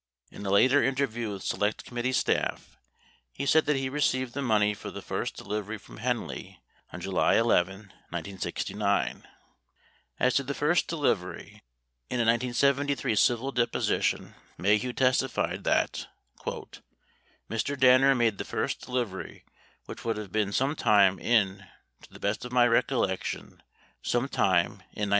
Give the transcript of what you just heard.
49 In a later interview with Select Committee staff, he said that he received the money for the first de 1 ivery from Henley on July 11, 1969. 50 As to the first delivery, in a 1973 civil deposition Maheu testified that : "Mr. Danner made the first delivery which would have been some time in, to the best of my recollection, sometime in 1969."